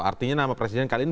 artinya nama presiden kali ini